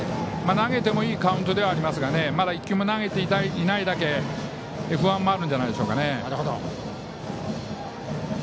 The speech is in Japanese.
投げてもいいカウントですがまだ１球も投げていないだけ不安もあるんじゃないでしょうか。